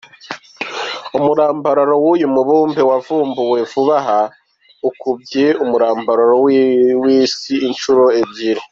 Umurambararo w’uyu mubumbe wavumbuwe vuba aha, ukubye umurambararo w’Isi inshuro ebyiri.